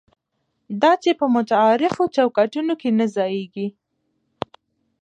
دا چې په متعارفو چوکاټونو کې نه ځایېږي.